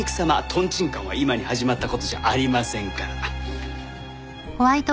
とんちんかんは今に始まった事じゃありませんから。